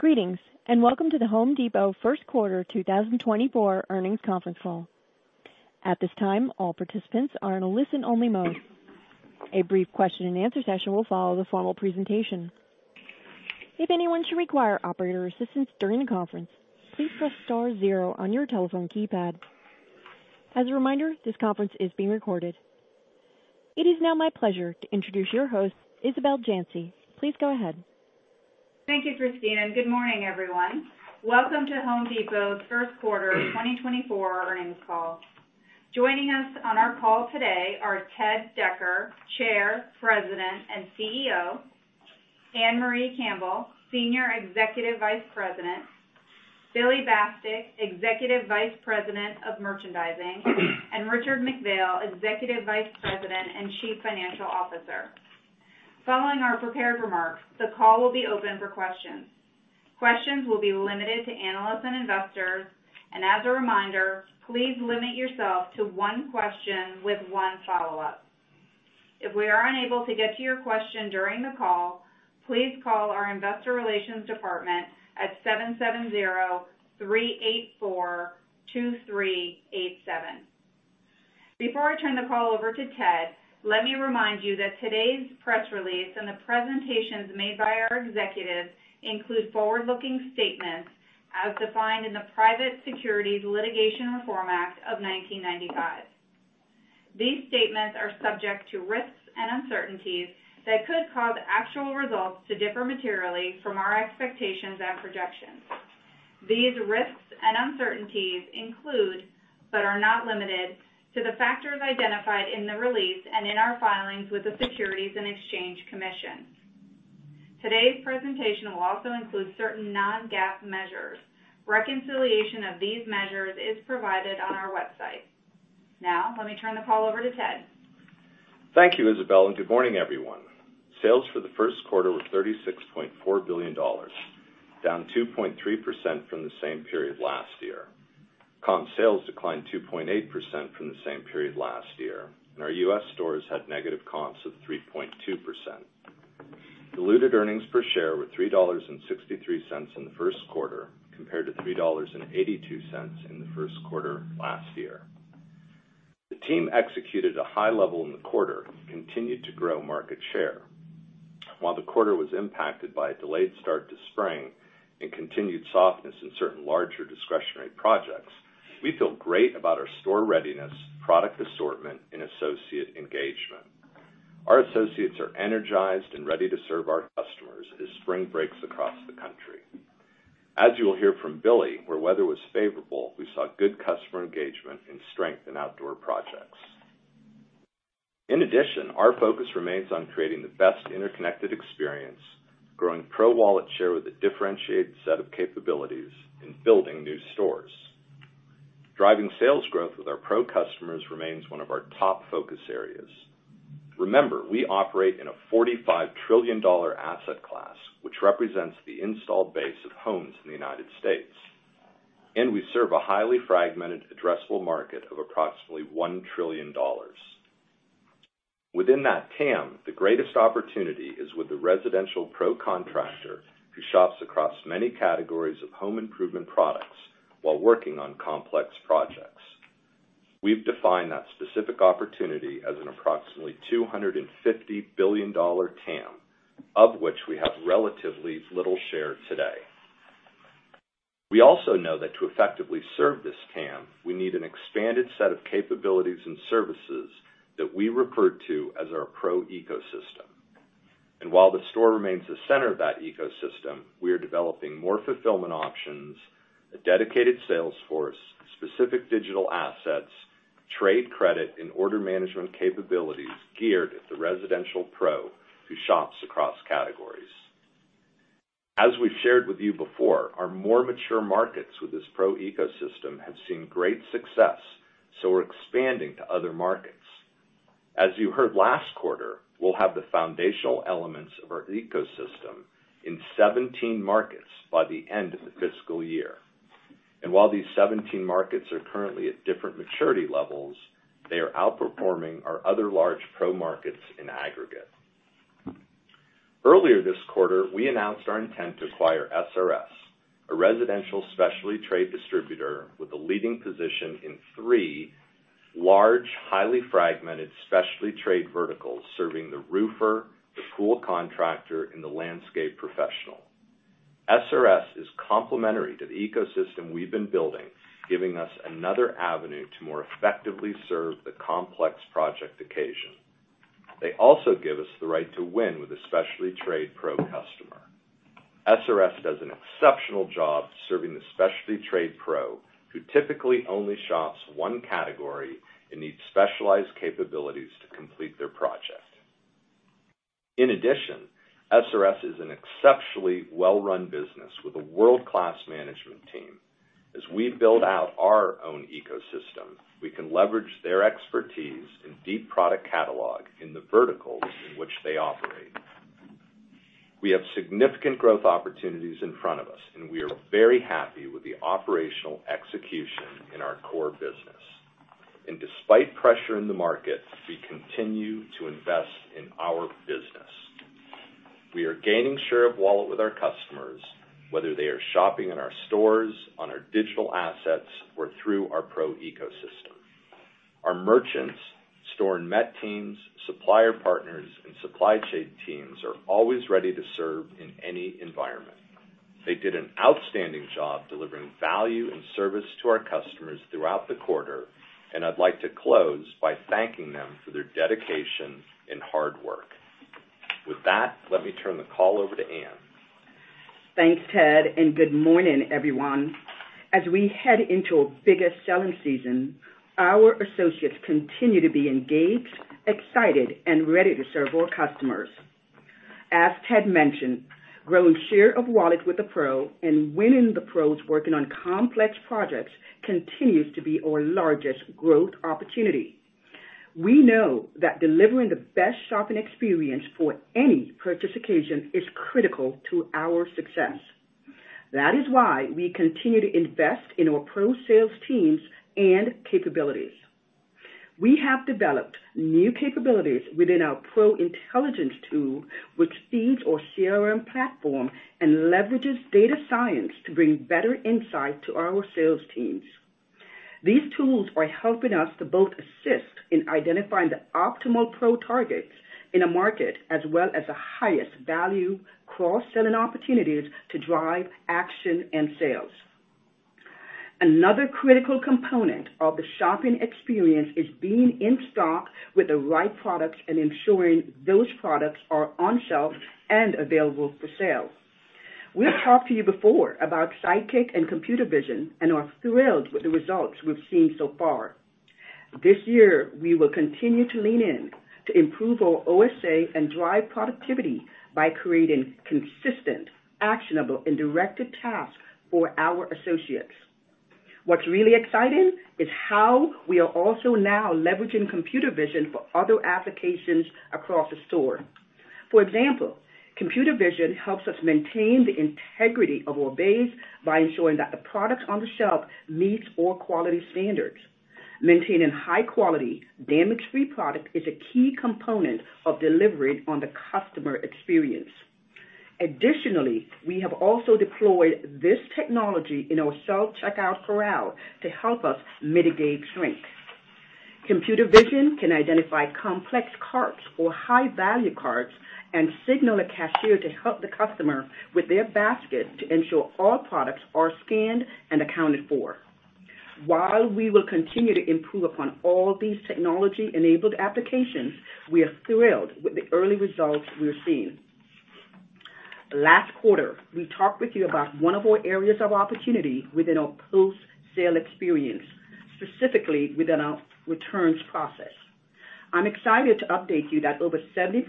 Greetings and welcome to the Home Depot First Quarter 2024 earnings conference call. At this time, all participants are in a listen-only mode. A brief question-and-answer session will follow the formal presentation. If anyone should require operator assistance during the conference, please press star zero on your telephone keypad. As a reminder, this conference is being recorded. It is now my pleasure to introduce your host, Isabel Janci. Please go ahead. Thank you, Christina. Good morning, everyone. Welcome to The Home Depot's First Quarter 2024 earnings call. Joining us on our call today are Ted Decker, Chair, President, and CEO; Ann-Marie Campbell, Senior Executive Vice President; Billy Bastek, Executive Vice President of Merchandising; and Richard McPhail, Executive Vice President and Chief Financial Officer. Following our prepared remarks, the call will be open for questions. Questions will be limited to analysts and investors, and as a reminder, please limit yourself to one question with one follow-up. If we are unable to get to your question during the call, please call our investor relations department at 770-384-2387. Before I turn the call over to Ted, let me remind you that today's press release and the presentations made by our executives include forward-looking statements as defined in the Private Securities Litigation Reform Act of 1995. These statements are subject to risks and uncertainties that could cause actual results to differ materially from our expectations and projections. These risks and uncertainties include, but are not limited to, the factors identified in the release and in our filings with the Securities and Exchange Commission. Today's presentation will also include certain non-GAAP measures. Reconciliation of these measures is provided on our website. Now, let me turn the call over to Ted. Thank you, Isabel, and good morning, everyone. Sales for the first quarter were $36.4 billion, down 2.3% from the same period last year. Comp sales declined 2.8% from the same period last year, and our U.S. stores had negative comps of 3.2%. Diluted earnings per share were $3.63 in the first quarter compared to $3.82 in the first quarter last year. The team executed a high level in the quarter and continued to grow market share. While the quarter was impacted by a delayed start to spring and continued softness in certain larger discretionary projects, we feel great about our store readiness, product assortment, and associate engagement. Our associates are energized and ready to serve our customers as spring breaks across the country. As you will hear from Billy, where weather was favorable, we saw good customer engagement and strength in outdoor projects. In addition, our focus remains on creating the best interconnected experience, growing pro-wallet share with a differentiated set of capabilities, and building new stores. Driving sales growth with our pro-customers remains one of our top focus areas. Remember, we operate in a $45 trillion asset class, which represents the installed base of homes in the United States, and we serve a highly fragmented, addressable market of approximately $1 trillion. Within that TAM, the greatest opportunity is with the residential pro-contractor who shops across many categories of home improvement products while working on complex projects. We've defined that specific opportunity as an approximately $250 billion TAM, of which we have relatively little share today. We also know that to effectively serve this TAM, we need an expanded set of capabilities and services that we refer to as our Pro ecosystem. While the store remains the center of that ecosystem, we are developing more fulfillment options, a dedicated sales force, specific digital assets, trade credit, and order management capabilities geared at the residential pro who shops across categories. As we've shared with you before, our more mature markets with this Pro ecosystem have seen great success, so we're expanding to other markets. As you heard last quarter, we'll have the foundational elements of our ecosystem in 17 markets by the end of the fiscal year. While these 17 markets are currently at different maturity levels, they are outperforming our other large pro-markets in aggregate. Earlier this quarter, we announced our intent to acquire SRS, a residential specialty trade distributor with a leading position in three large, highly fragmented specialty trade verticals serving the roofer, the pool contractor, and the landscape professional. SRS is complementary to the ecosystem we've been building, giving us another avenue to more effectively serve the complex project occasion. They also give us the right to win with a specialty trade pro customer. SRS does an exceptional job serving the specialty trade pro who typically only shops one category and needs specialized capabilities to complete their project. In addition, SRS is an exceptionally well-run business with a world-class management team. As we build out our own ecosystem, we can leverage their expertise and deep product catalog in the verticals in which they operate. We have significant growth opportunities in front of us, and we are very happy with the operational execution in our core business. Despite pressure in the market, we continue to invest in our business. We are gaining share of wallet with our customers, whether they are shopping in our stores, on our digital assets, or through our Pro ecosystem. Our merchants, store and met teams, supplier partners, and supply chain teams are always ready to serve in any environment. They did an outstanding job delivering value and service to our customers throughout the quarter, and I'd like to close by thanking them for their dedication and hard work. With that, let me turn the call over to Ann. Thanks, Ted, and good morning, everyone. As we head into our biggest selling season, our associates continue to be engaged, excited, and ready to serve our customers. As Ted mentioned, growing share of wallet with the pro and winning the pros working on complex projects continues to be our largest growth opportunity. We know that delivering the best shopping experience for any purchase occasion is critical to our success. That is why we continue to invest in our pro-sales teams and capabilities. We have developed new capabilities within our Pro Intelligence tool, which feeds our CRM platform and leverages data science to bring better insight to our sales teams. These tools are helping us to both assist in identifying the optimal pro targets in a market as well as the highest value cross-selling opportunities to drive action and sales. Another critical component of the shopping experience is being in stock with the right products and ensuring those products are on shelf and available for sale. We've talked to you before about Sidekick and Computer Vision and are thrilled with the results we've seen so far. This year, we will continue to lean in to improve our OSA and drive productivity by creating consistent, actionable, and directed tasks for our associates. What's really exciting is how we are also now leveraging Computer Vision for other applications across the store. For example, Computer Vision helps us maintain the integrity of our base by ensuring that the product on the shelf meets our quality standards. Maintaining high-quality, damage-free product is a key component of delivering on the customer experience. Additionally, we have also deployed this technology in our self-checkout corral to help us mitigate shrink. Computer Vision can identify complex carts or high-value carts and signal a cashier to help the customer with their basket to ensure all products are scanned and accounted for. While we will continue to improve upon all these technology-enabled applications, we are thrilled with the early results we're seeing. Last quarter, we talked with you about one of our areas of opportunity within our post-sale experience, specifically within our returns process. I'm excited to update you that over 70%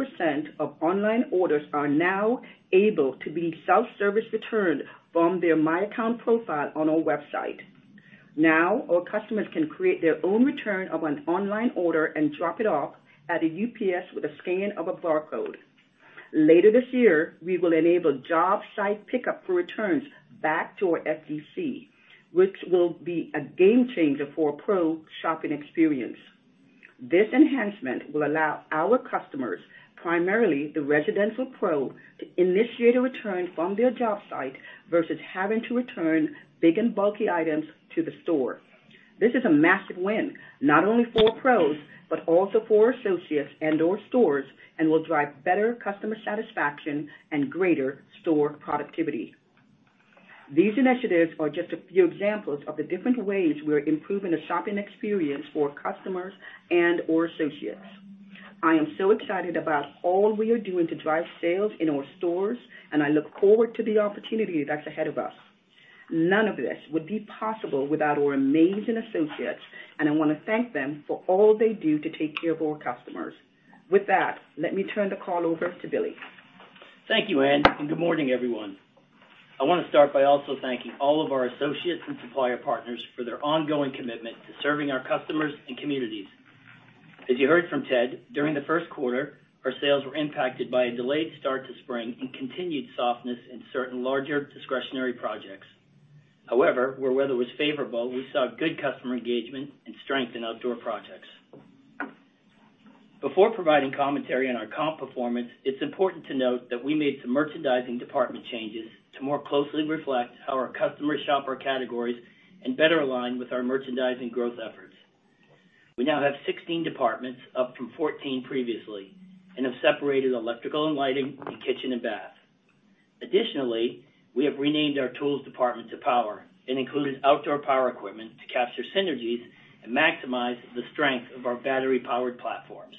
of online orders are now able to be self-service returned from their My Account profile on our website. Now, our customers can create their own return of an online order and drop it off at a UPS with a scan of a barcode. Later this year, we will enable job site pickup for returns back to our FDC, which will be a game changer for a pro shopping experience. This enhancement will allow our customers, primarily the residential pro, to initiate a return from their job site versus having to return big and bulky items to the store. This is a massive win, not only for pros but also for associates and/or stores and will drive better customer satisfaction and greater store productivity. These initiatives are just a few examples of the different ways we are improving the shopping experience for customers and/or associates. I am so excited about all we are doing to drive sales in our stores, and I look forward to the opportunity that's ahead of us. None of this would be possible without our amazing associates, and I want to thank them for all they do to take care of our customers. With that, let me turn the call over to Billy. Thank you, Ann, and good morning, everyone. I want to start by also thanking all of our associates and supplier partners for their ongoing commitment to serving our customers and communities. As you heard from Ted, during the first quarter, our sales were impacted by a delayed start to spring and continued softness in certain larger discretionary projects. However, where weather was favorable, we saw good customer engagement and strength in outdoor projects. Before providing commentary on our comp performance, it's important to note that we made some merchandising department changes to more closely reflect how our customers shop our categories and better align with our merchandising growth efforts. We now have 16 departments up from 14 previously and have separated electrical and lighting in kitchen and bath. Additionally, we have renamed our tools department to power and included outdoor power equipment to capture synergies and maximize the strength of our battery-powered platforms.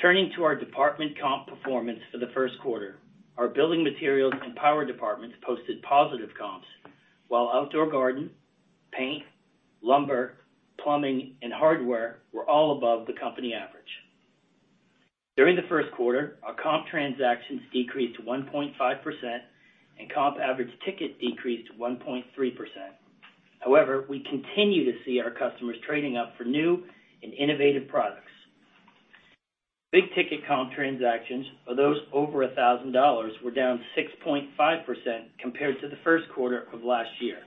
Turning to our department comp performance for the first quarter, our building materials and power departments posted positive comps, while outdoor garden, paint, lumber, plumbing, and hardware were all above the company average. During the first quarter, our comp transactions decreased 1.5% and comp average ticket decreased 1.3%. However, we continue to see our customers trading up for new and innovative products. Big-ticket comp transactions, or those over $1,000, were down 6.5% compared to the first quarter of last year.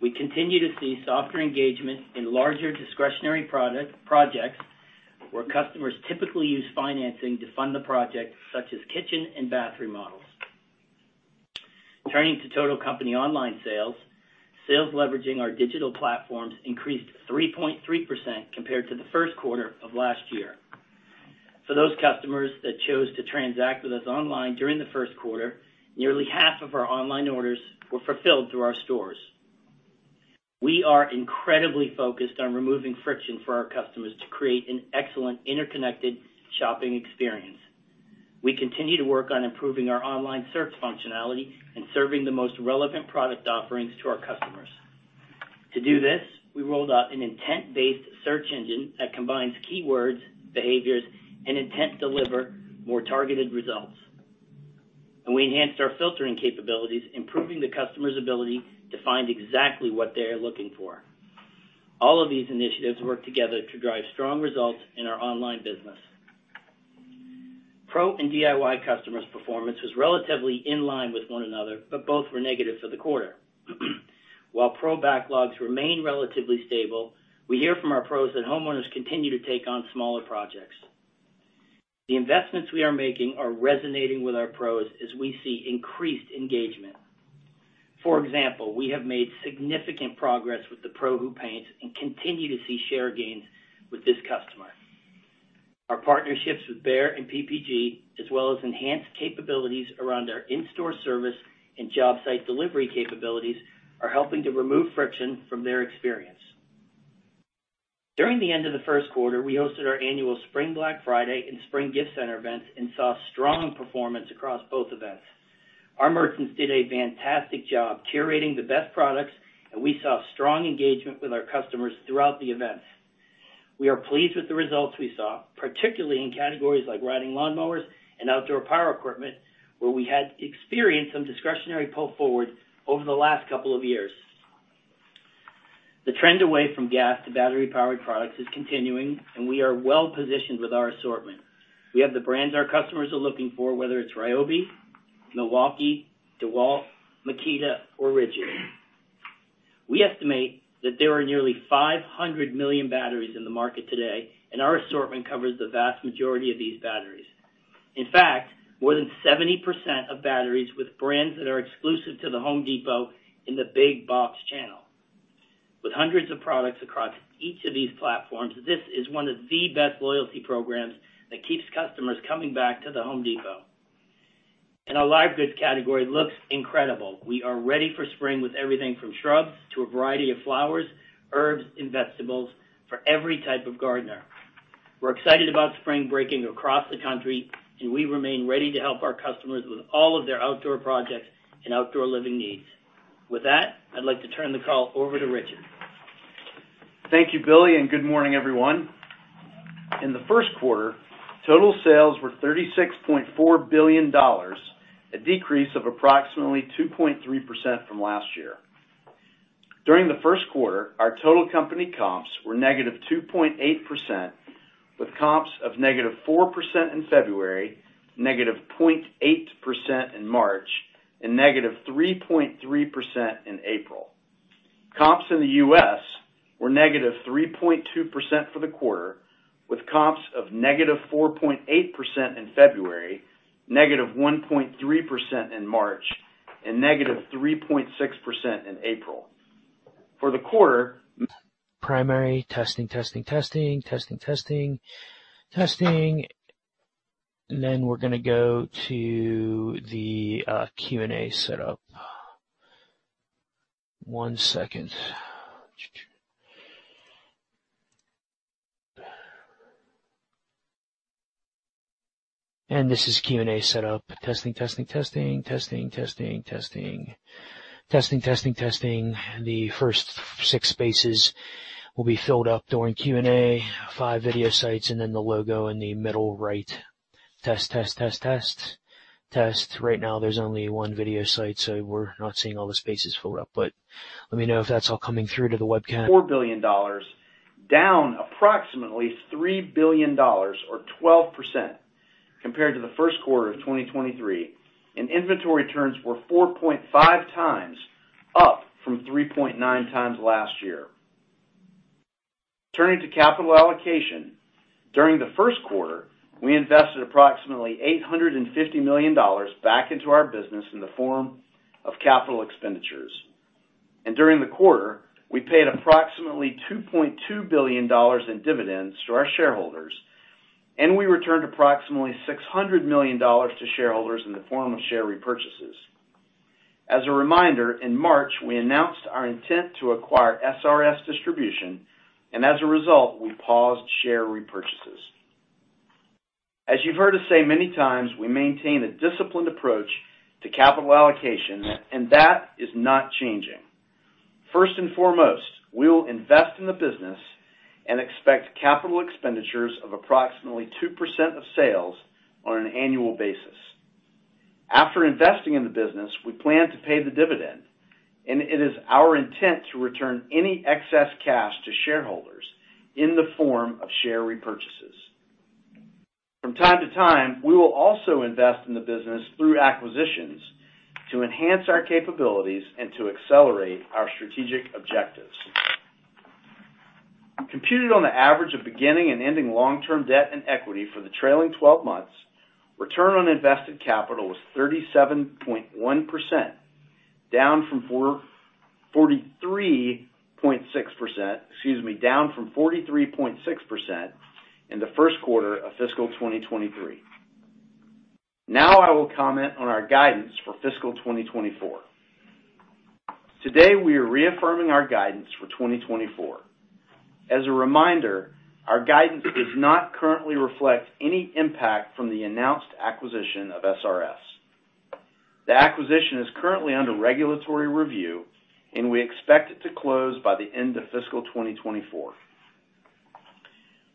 We continue to see softer engagement in larger discretionary projects where customers typically use financing to fund the project, such as kitchen and bathroom remodels. Turning to total company online sales, sales leveraging our digital platforms increased 3.3% compared to the first quarter of last year. For those customers that chose to transact with us online during the first quarter, nearly half of our online orders were fulfilled through our stores. We are incredibly focused on removing friction for our customers to create an excellent interconnected shopping experience. We continue to work on improving our online search functionality and serving the most relevant product offerings to our customers. To do this, we rolled out an intent-based search engine that combines keywords, behaviors, and intent to deliver more targeted results. We enhanced our filtering capabilities, improving the customer's ability to find exactly what they are looking for. All of these initiatives work together to drive strong results in our online business. Pro and DIY customers' performance was relatively in line with one another, but both were negative for the quarter. While pro backlogs remain relatively stable, we hear from our pros that homeowners continue to take on smaller projects. The investments we are making are resonating with our pros as we see increased engagement. For example, we have made significant progress with the pro who paints and continue to see share gains with this customer. Our partnerships with Behr and PPG, as well as enhanced capabilities around our in-store service and job site delivery capabilities, are helping to remove friction from their experience. During the end of the first quarter, we hosted our annual Spring Black Friday and Spring Gift Center events and saw strong performance across both events. Our merchants did a fantastic job curating the best products, and we saw strong engagement with our customers throughout the events. We are pleased with the results we saw, particularly in categories like riding lawnmowers and outdoor power equipment, where we had experienced some discretionary pull forward over the last couple of years. The trend away from gas to battery-powered products is continuing, and we are well positioned with our assortment. We have the brands our customers are looking for, whether it's Ryobi, Milwaukee, DeWalt, Makita, or Ridgid. We estimate that there are nearly 500 million batteries in the market today, and our assortment covers the vast majority of these batteries. In fact, more than 70% of batteries with brands that are exclusive to The Home Depot in the big box channel. With hundreds of products across each of these platforms, this is one of the best loyalty programs that keeps customers coming back to The Home Depot. Our live goods category looks incredible. We are ready for spring with everything from shrubs to a variety of flowers, herbs, and vegetables for every type of gardener. We're excited about spring breaking across the country, and we remain ready to help our customers with all of their outdoor projects and outdoor living needs. With that, I'd like to turn the call over to Richard. Thank you, Billy, and good morning, everyone. In the first quarter, total sales were $36.4 billion, a decrease of approximately 2.3% from last year. During the first quarter, our total company comps were -2.8%, with comps of -4% in February, -0.8% in March, and -3.3% in April. Comps in the U.S. were -3.2% for the quarter, with comps of -4.8% in February, -1.3% in March, and -3.6% in April. For the quarter. Merchandise inventories were $22.4 billion, down approximately $3 billion or 12% compared to the first quarter of 2023, and inventory turns were 4.5 times up from 3.9 times last year. Turning to capital allocation, during the first quarter, we invested approximately $850 million back into our business in the form of capital expenditures. During the quarter, we paid approximately $2.2 billion in dividends to our shareholders, and we returned approximately $600 million to shareholders in the form of share repurchases. As a reminder, in March, we announced our intent to acquire SRS Distribution, and as a result, we paused share repurchases. As you've heard us say many times, we maintain a disciplined approach to capital allocation, and that is not changing. First and foremost, we'll invest in the business and expect capital expenditures of approximately 2% of sales on an annual basis. After investing in the business, we plan to pay the dividend, and it is our intent to return any excess cash to shareholders in the form of share repurchases. From time to time, we will also invest in the business through acquisitions to enhance our capabilities and to accelerate our strategic objectives. Computed on the average of beginning and ending long-term debt and equity for the trailing 12 months, return on invested capital was 37.1%, down from 43.6%, excuse me, down from 43.6% in the first quarter of fiscal 2023. Now I will comment on our guidance for fiscal 2024. Today, we are reaffirming our guidance for 2024. As a reminder, our guidance does not currently reflect any impact from the announced acquisition of SRS. The acquisition is currently under regulatory review, and we expect it to close by the end of fiscal 2024.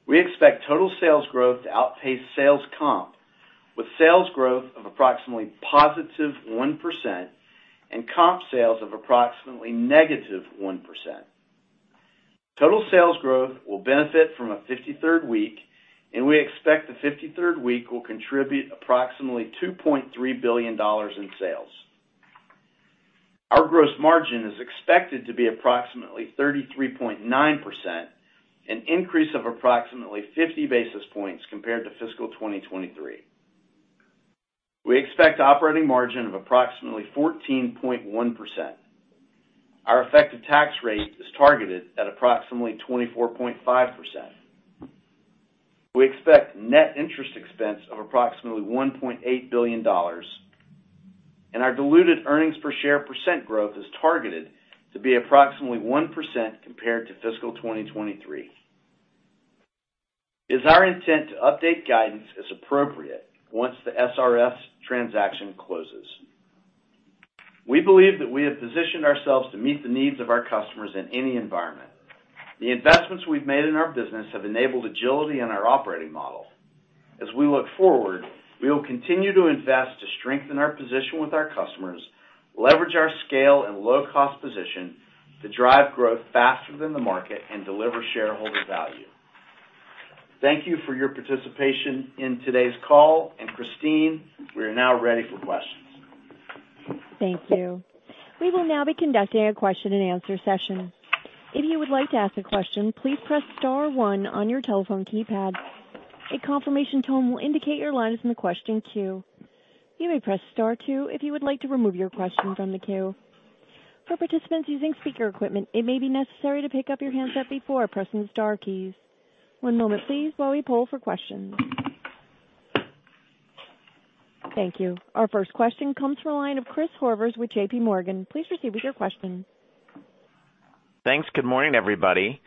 We expect total sales growth to outpace sales comp, with sales growth of approximately +1% and comp sales of approximately -1%. Total sales growth will benefit from a 53rd week, and we expect the 53rd week will contribute approximately $2.3 billion in sales. Our gross margin is expected to be approximately 33.9%, an increase of approximately 50 basis points compared to fiscal 2023. We expect operating margin of approximately 14.1%. Our effective tax rate is targeted at approximately 24.5%. We expect net interest expense of approximately $1.8 billion, and our diluted earnings per share percent growth is targeted to be approximately 1% compared to fiscal 2023. It is our intent to update guidance as appropriate once the SRS transaction closes. We believe that we have positioned ourselves to meet the needs of our customers in any environment. The investments we've made in our business have enabled agility in our operating model. As we look forward, we will continue to invest to strengthen our position with our customers, leverage our scale and low-cost position to drive growth faster than the market, and deliver shareholder value. Thank you for your participation in today's call, and Christina, we are now ready for questions. Thank you. We will now be conducting a question-and-answer session. If you would like to ask a question, please press star one on your telephone keypad. A confirmation tone will indicate your line is in the question queue. You may press star two if you would like to remove your question from the queue. For participants using speaker equipment, it may be necessary to pick up your handset before pressing the star keys. One moment, please, while we pull for questions. Thank you. Our first question comes from a line of Chris Horvers with JPMorgan. Please proceed with your question. Thanks. Good morning, everybody.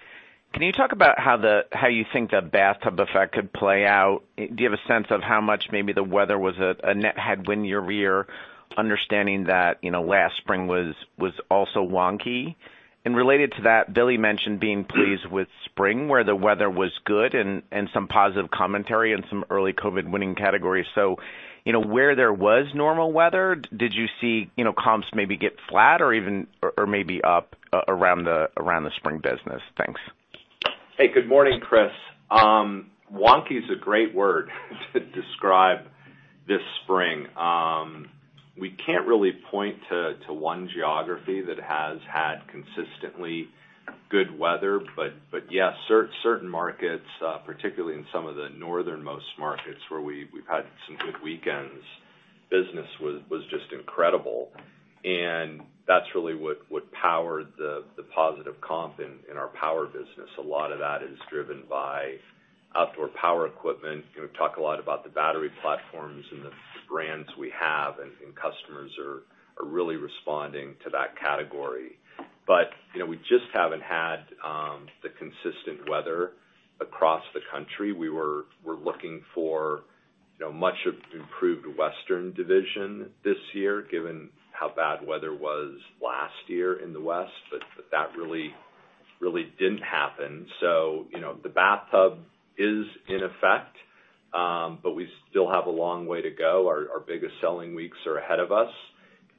Can you talk about how you think the bathtub effect could play out? Do you have a sense of how much maybe the weather was a net headwind this year, understanding that last spring was also wonky? And related to that, Billy mentioned being pleased with spring, where the weather was good and some positive commentary in some early COVID-winning categories. So where there was normal weather, did you see comps maybe get flat or maybe up around the spring business? Thanks. Hey, good morning, Chris. Wonky is a great word to describe this spring. We can't really point to one geography that has had consistently good weather, but yes, certain markets, particularly in some of the northernmost markets where we've had some good weekends, business was just incredible. And that's really what powered the positive comp in our power business. A lot of that is driven by outdoor power equipment. We talk a lot about the battery platforms and the brands we have, and customers are really responding to that category. But we just haven't had the consistent weather across the country. We were looking for much improved Western division this year, given how bad weather was last year in the West, but that really didn't happen. So the bathtub is in effect, but we still have a long way to go. Our biggest selling weeks are ahead of us,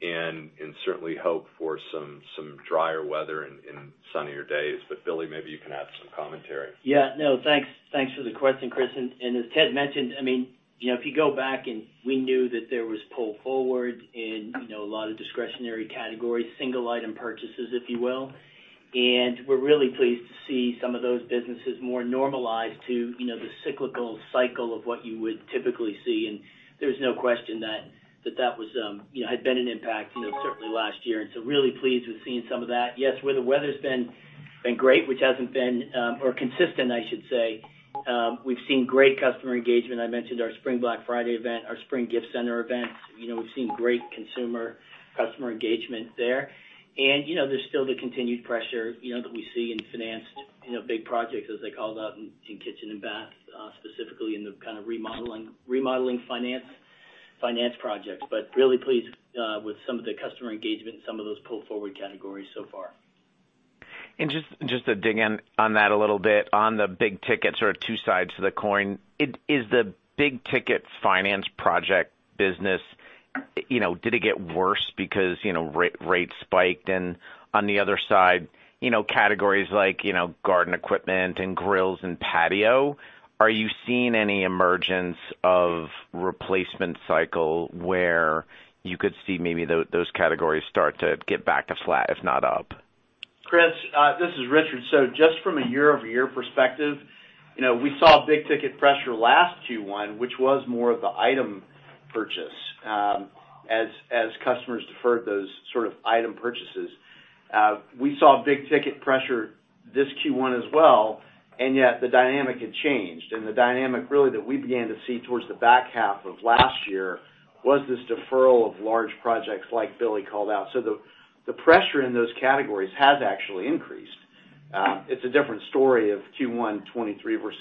and certainly hope for some drier weather and sunnier days. Billy, maybe you can add some commentary. Yeah. No, thanks for the question, Chris. And as Ted mentioned, I mean, if you go back and we knew that there was pull forward in a lot of discretionary categories, single-item purchases, if you will. And we're really pleased to see some of those businesses more normalized to the cyclical cycle of what you would typically see. And there's no question that that had been an impact, certainly last year. And so really pleased with seeing some of that. Yes, where the weather's been great, which hasn't been or consistent, I should say, we've seen great customer engagement. I mentioned our Spring Black Friday event, our Spring Gift Center events. We've seen great consumer customer engagement there. And there's still the continued pressure that we see in financed big projects, as I called out, in kitchen and bath, specifically in the kind of remodeling finance projects. But really pleased with some of the customer engagement and some of those pull forward categories so far. And just to dig in on that a little bit, on the big ticket, sort of two sides to the coin, is the big ticket finance project business, did it get worse because rates spiked? And on the other side, categories like garden equipment and grills and patio, are you seeing any emergence of replacement cycle where you could see maybe those categories start to get back to flat, if not up? Chris, this is Richard. So just from a year-over-year perspective, we saw big ticket pressure last Q1, which was more of the item purchase as customers deferred those sort of item purchases. We saw big ticket pressure this Q1 as well, and yet the dynamic had changed. And the dynamic really that we began to see towards the back half of last year was this deferral of large projects like Billy called out. So the pressure in those categories has actually increased. It's a different story of Q1, 2023 versus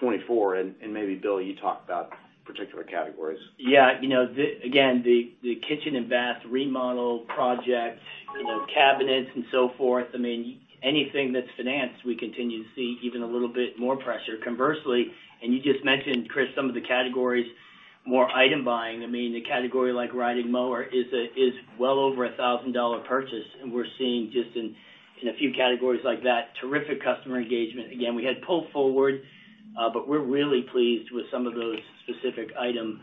2024. And maybe, Billy, you talk about particular categories. Yeah. Again, the kitchen and bath remodel project, cabinets, and so forth, I mean, anything that's financed, we continue to see even a little bit more pressure. Conversely, and you just mentioned, Chris, some of the categories, more item buying. I mean, the category like riding mower is well over $1,000 purchase, and we're seeing just in a few categories like that terrific customer engagement. Again, we had pull forward, but we're really pleased with some of those specific item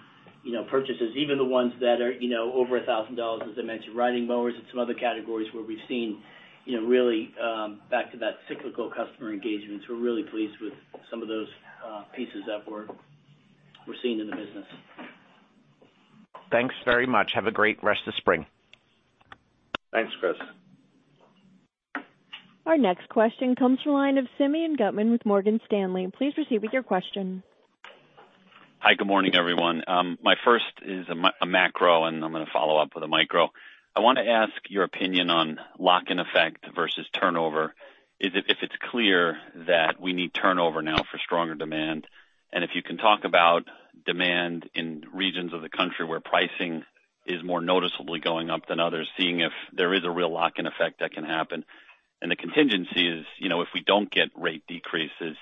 purchases, even the ones that are over $1,000, as I mentioned, riding mowers and some other categories where we've seen really back to that cyclical customer engagement. So we're really pleased with some of those pieces that we're seeing in the business. Thanks very much. Have a great rest of spring. Thanks, Chris. Our next question comes from a line of Simeon Gutman with Morgan Stanley. Please proceed with your question. Hi. Good morning, everyone. My first is a macro, and I'm going to follow up with a micro. I want to ask your opinion on lock-in effect versus turnover. If it's clear that we need turnover now for stronger demand, and if you can talk about demand in regions of the country where pricing is more noticeably going up than others, seeing if there is a real lock-in effect that can happen. The contingency is, if we don't get rate decreases,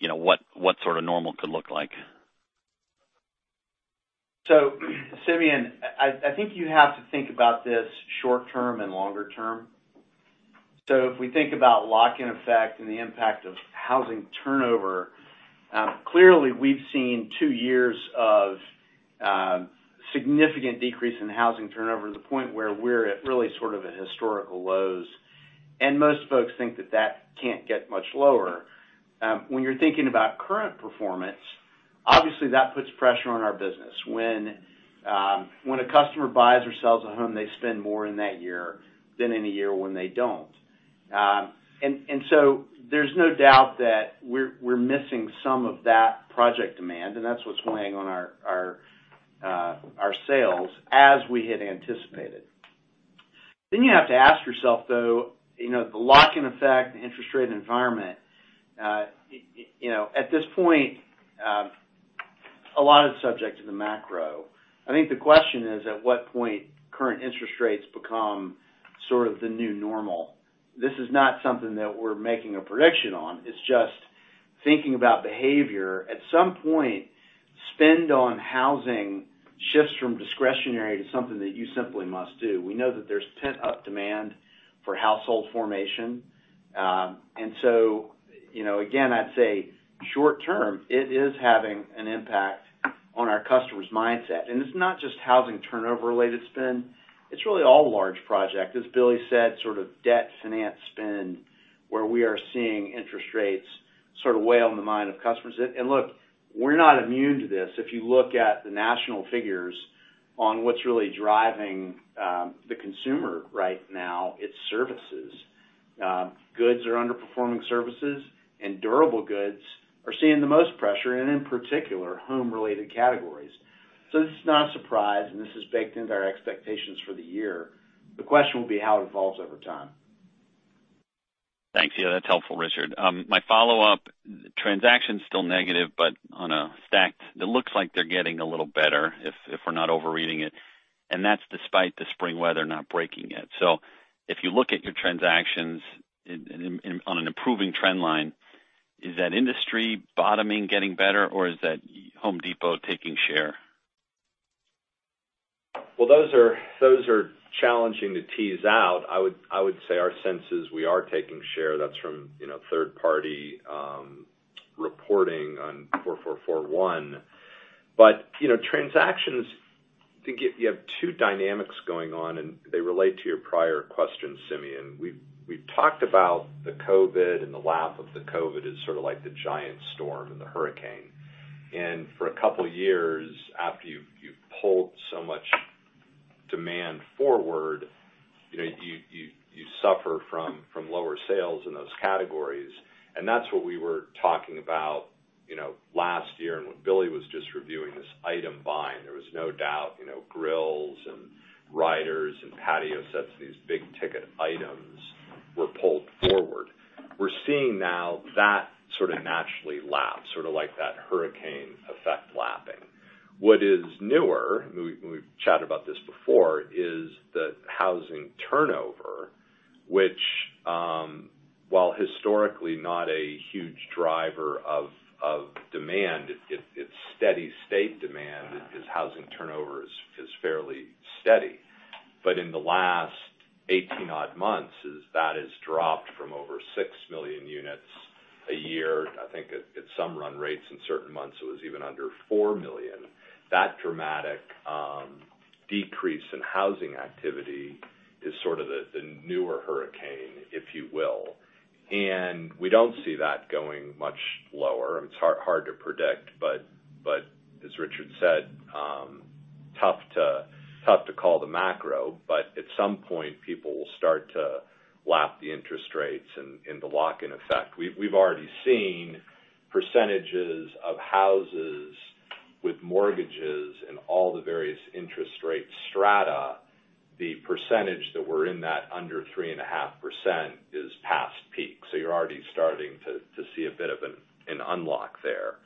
what sort of normal could look like? So, Simmy, and I think you have to think about this short-term and longer-term. So if we think about lock-in effect and the impact of housing turnover, clearly, we've seen two years of significant decrease in housing turnover to the point where we're at really sort of at historical lows. And most folks think that that can't get much lower. When you're thinking about current performance, obviously, that puts pressure on our business. When a customer buys or sells a home, they spend more in that year than any year when they don't. And so there's no doubt that we're missing some of that project demand, and that's what's weighing on our sales as we had anticipated. Then you have to ask yourself, though, the lock-in effect, the interest rate environment. At this point, a lot is subject to the macro. I think the question is, at what point current interest rates become sort of the new normal? This is not something that we're making a prediction on. It's just thinking about behavior. At some point, spend on housing shifts from discretionary to something that you simply must do. We know that there's pent-up demand for household formation. And so again, I'd say short-term, it is having an impact on our customer's mindset. And it's not just housing turnover-related spend. It's really all large project. As Billy said, sort of debt finance spend where we are seeing interest rates sort of weigh on the mind of customers. And look, we're not immune to this. If you look at the national figures on what's really driving the consumer right now, it's services. Goods are underperforming services, and durable goods are seeing the most pressure, and in particular, home-related categories. So this is not a surprise, and this is baked into our expectations for the year. The question will be how it evolves over time. Thanks. Yeah, that's helpful, Richard. My follow-up, transactions still negative, but on a stacked, it looks like they're getting a little better if we're not overreading it. And that's despite the spring weather not breaking yet. So if you look at your transactions on an improving trendline, is that industry bottoming getting better, or is that Home Depot taking share? Well, those are challenging to tease out. I would say our sales, we are taking share. That's from third-party reporting on 4441. But transactions, I think you have two dynamics going on, and they relate to your prior question, Simmy. And we've talked about the COVID, and the lap of the COVID is sort of like the giant storm and the hurricane. And for a couple of years, after you've pulled so much demand forward, you suffer from lower sales in those categories. And that's what we were talking about last year. And when Billy was just reviewing this item buying, there was no doubt grills and riders and patio sets, these big ticket items, were pulled forward. We're seeing now that sort of naturally lap, sort of like that hurricane effect lapping. What is newer, and we've chatted about this before, is the housing turnover, which while historically not a huge driver of demand, it's steady state demand. Housing turnover is fairly steady. But in the last 18-odd months, that has dropped from over 2 million units a year. I think at some run rates, in certain months, it was even under 4 million. That dramatic decrease in housing activity is sort of the newer hurricane, if you will. And we don't see that going much lower. It's hard to predict, but as Richard said, tough to call the macro. But at some point, people will start to lap the interest rates and the lock-in effect. We've already seen percentages of houses with mortgages and all the various interest rate strata, the percentage that were in that under 3.5% is past peak. So you're already starting to see a bit of an unlock there.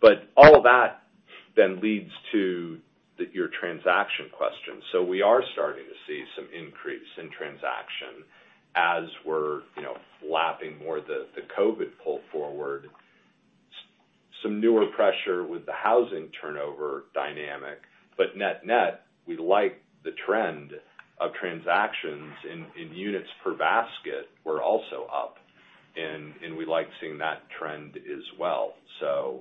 But all of that then leads to your transaction question. So we are starting to see some increase in transaction as we're lapping more the COVID pull forward, some newer pressure with the housing turnover dynamic. But net-net, we like the trend of transactions in units per basket were also up, and we like seeing that trend as well. So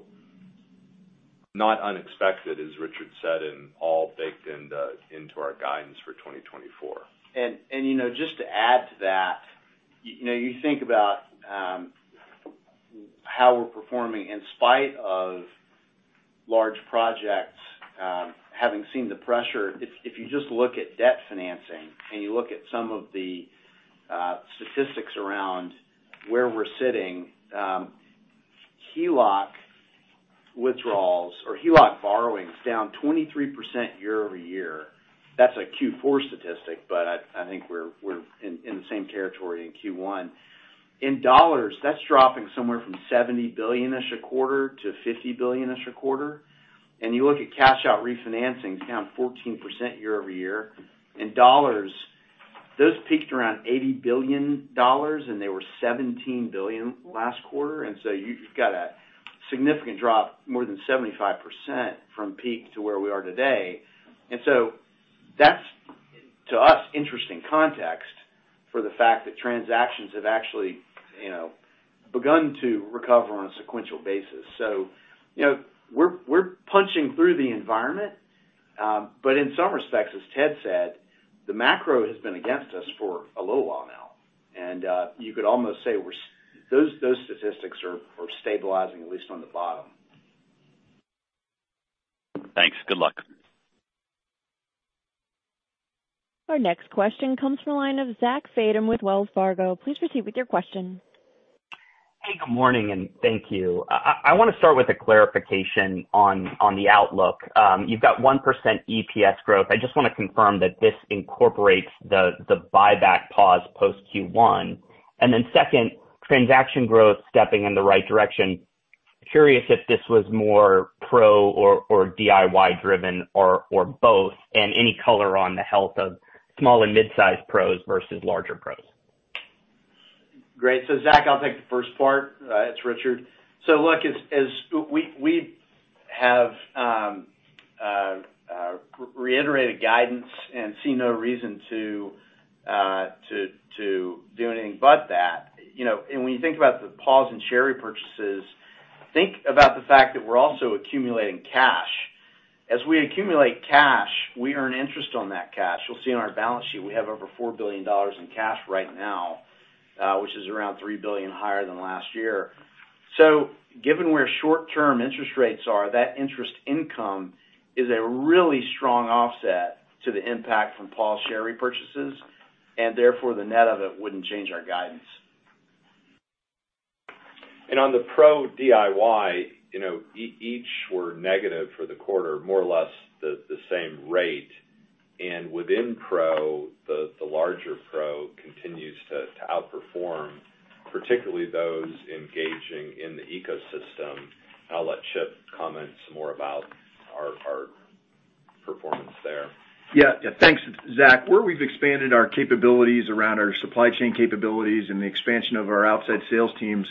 not unexpected, as Richard said, and all baked into our guidance for 2024. And just to add to that, you think about how we're performing in spite of large projects having seen the pressure. If you just look at debt financing and you look at some of the statistics around where we're sitting, HELOC withdrawals or HELOC borrowings down 23% year-over-year. That's a Q4 statistic, but I think we're in the same territory in Q1. In dollars, that's dropping somewhere from $70 billion-ish a quarter to $50 billion-ish a quarter. And you look at cash-out refinancings, down 14% year-over-year. In dollars, those peaked around $80 billion, and they were $17 billion last quarter. And so you've got a significant drop, more than 75%, from peak to where we are today. And so that's, to us, interesting context for the fact that transactions have actually begun to recover on a sequential basis. So we're punching through the environment, but in some respects, as Ted said, the macro has been against us for a little while now. And you could almost say those statistics are stabilizing, at least on the bottom. Thanks. Good luck. Our next question comes from a line of Zach Fadem with Wells Fargo. Please proceed with your question. Hey. Good morning, and thank you. I want to start with a clarification on the outlook. You've got 1% EPS growth. I just want to confirm that this incorporates the buyback pause post-Q1. And then second, transaction growth stepping in the right direction. Curious if this was more pro or DIY-driven or both, and any color on the health of small and midsize pros versus larger pros? Great. So Zach, I'll take the first part. It's Richard. So look, we have reiterated guidance and see no reason to do anything but that. And when you think about the pause in share repurchases, think about the fact that we're also accumulating cash. As we accumulate cash, we earn interest on that cash. You'll see on our balance sheet, we have over $4 billion in cash right now, which is around $3 billion higher than last year. So given where short-term interest rates are, that interest income is a really strong offset to the impact from paused share repurchases, and therefore, the net of it wouldn't change our guidance. On the Pro DIY, each were negative for the quarter, more or less the same rate. Within Pro, the larger Pro continues to outperform, particularly those engaging in the ecosystem. I'll let Chip comment some more about our performance there. Yeah. Yeah. Thanks, Zach. Where we've expanded our capabilities around our supply chain capabilities and the expansion of our outside sales teams,